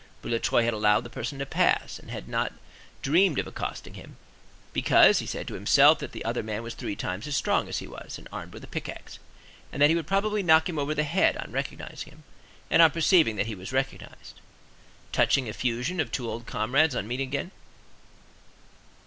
Boulatruelle had allowed the person to pass, and had not dreamed of accosting him, because he said to himself that the other man was three times as strong as he was, and armed with a pickaxe, and that he would probably knock him over the head on recognizing him, and on perceiving that he was recognized. Touching effusion of two old comrades on meeting again.